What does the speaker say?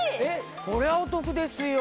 これはお得ですよ。